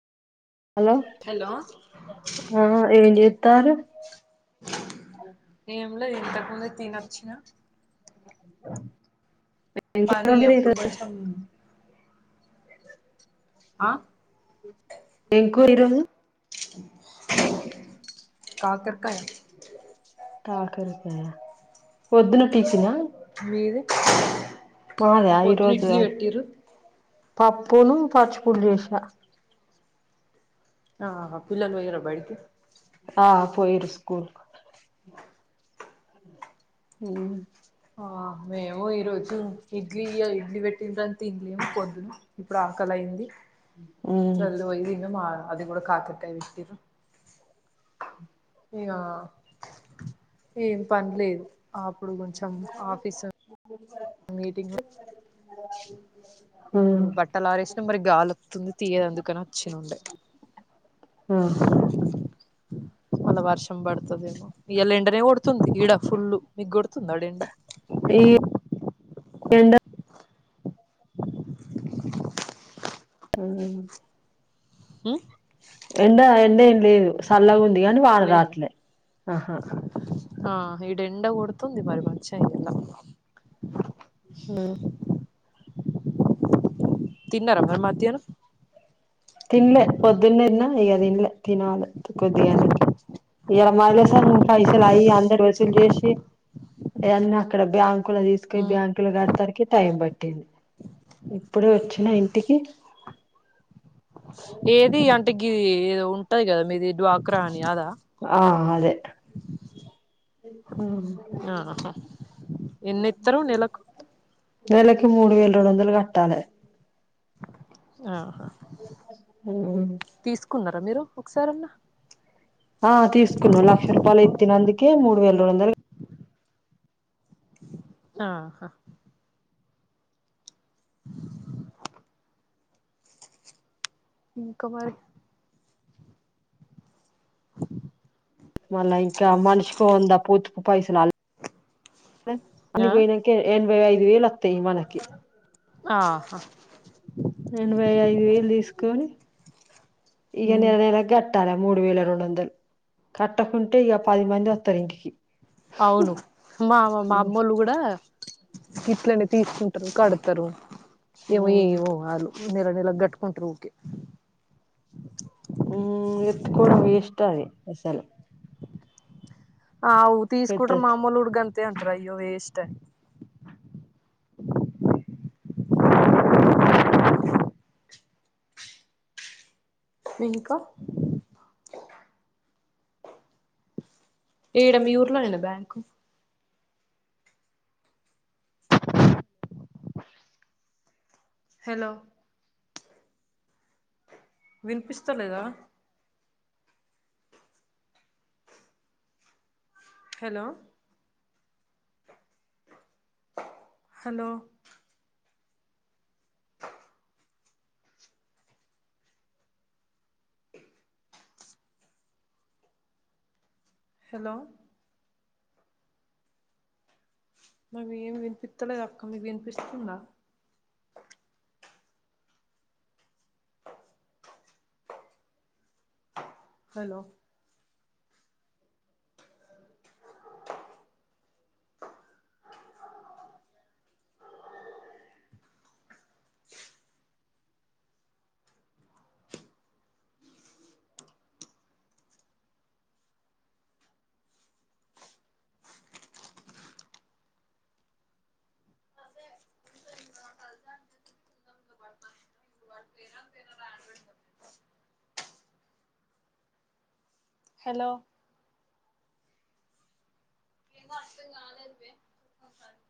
hello hello ఆ ఏం చేస్తారు ఏం లేదు ఇంతకు ముందే తినొచ్చిన ఆ [unintelligible] పని అప్పుడు కొంచెం ఆ ఏం కూర ఈరోజు కాకరకాయ కాకరకాయ పొద్దున టిఫిన్ ఆ మీది పొద్దున ఇడ్లీ పెట్టిర్రు పప్పును పచ్చిపూడి చేసినా ఆహా పిల్లలు పోయిరా బడికి ఆ పోయిరు స్కూల్ కు హమ్ ఆ మేము ఈరోజు ఇడ్లీ ఇడ్లీ పెట్టింన్రని తిన్లేము పొద్దున ఇప్పుడు ఆకలి అయింది మ్మ్ చల్ పోయి తిన్నమ అది కూడా కాకరకాయ విత్తిర్రు ఇకా ఏం పనిలేదు అప్పుడు కూ మీటింగ్ [unintelligible] ఇప్పుడు బట్టలు ఆరేసినా మరి గాలి వత్తుంది తీయేది అందుకని వచ్చిన ఉండే ఆహా మల్ల వర్షం పడుతదేమో ఇయాలా ఎండనే కొడుతుంది గిడ ఫుల్లు మిగ్గోడుతుందా ఆడెండ ఫీ ఆ మ్ ఎండ ఎండ ఏం లేదు సల్లగా ఉంది కాని వాన లేదా రాట్లే ఆహా ఆ ఈడ ఎండ కొడుతుంది మరి మంచిగా ఇయల మ్ తిన్నారా మరి మధ్యానం తిన్లే పొద్దున తిన్న ఇక తిన్లే తినాలే కొద్దిగా [unintelligible] ఈయల [unintelligible] పైసలు అయ్యి అందరు వసూలు చేసి ఇఅన్ని అక్కడ బ్యాంకు లో తీసుక ఉమ్ బ్యాంక్ కులో కడతానికి టైం పట్టింది ఇప్పుడే వచ్చిన ఇంటికి ఏది అంటే గీ ఏదొ ఉంటది కదా మీది డ్వాక్రా అని అదా ఆ అదే ఆహా ఎన్నిత్తరు నెలకు మ్ నెలకి మూడు వేల రెండు వందలు కట్టాలె ఆహ మ్ తీసుకున్నారా మీరు ఒకసారన్న ఆ తీసుకున్నా లక్ష రూపాయలు ఎత్తినందుకే మూడు వేల రెండు వందలు ఆహా ఇంక మరి మళ్ళా ఇంకా మనిషికో వంద పూతుపు పైసలు అ అని ఆ పోయినా కె ఎనభై ఐదు వేల అత్తయి మనకి ఆహా ఎనభై ఐదు వేలు తీసుకొని ఇక ఉమ్ నెల నెల గట్ కట్టాలా మూడు వేల రెండు వందలు కట్టకుంటే ఇక పది మంది వత్తారు ఇంటికి అవును మా మా అమ్మోళ్ళు కూడ్ [unintelligible] ఇట్లనే తీసుకుంటారు కడతారు ఏమో ఏమో వాళ్ళు నెల నెలకు గట్టుకుంటారు ఊకే ఊమ్ ఎత్తుకోడం ఇ వేస్ట్ అది అసలు అవ్ తీసుకుంట్రర్ మా పెద్దది అమ్మల్లు గుడా గంతే అంటారు అయ్యో వేస్ట్ అని ఇంకా ఈడ మీ ఊర్లోనేనా బ్యాంకు హలో వినిపిస్తలేదా హలో హలో హలో నాకు ఏమి వినిపిత్తలేదక్క మీకు వినిపిస్తుందా హలో [inaudible] హలో ఏందో అర్థం కాలేదు మే చెప్పు ఒకసారి